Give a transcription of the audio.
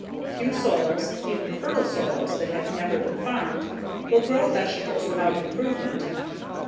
Few soils, even fertile soils that have never been farmed, will grow vegetables without improvement.